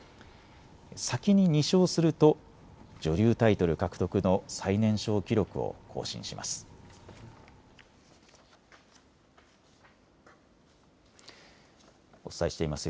先に２勝すると女流タイトル獲得の最年少記録を更新します。